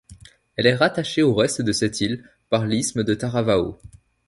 Elle est rattachée au reste de cette île par l'isthme de Taravao.